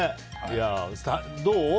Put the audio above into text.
どう？